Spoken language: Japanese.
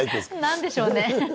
何でしょうね。